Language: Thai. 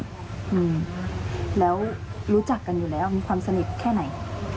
อืมแล้วรู้จักกันอยู่แล้วมีความสนิทแค่ไหน